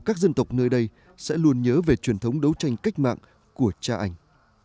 các dân tộc nơi đây sẽ luôn nhớ về truyền thống đấu tranh cách mạng của cha anh